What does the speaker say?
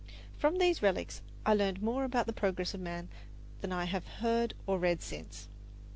From these relics I learned more about the progress of man than I have heard or read since.